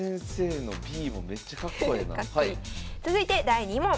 続いて第２問。